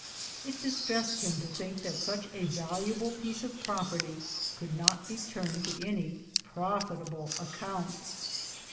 It distressed him to think that such a valuable piece of property could not be turned to any profitable account.